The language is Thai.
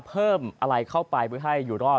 เพิ่มอะไรเข้าไปเพื่อให้อยู่รอด